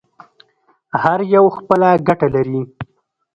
هر یو خپله ګټه لري.